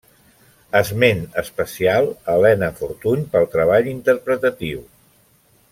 Esment especial a Elena Fortuny pel treball interpretatiu.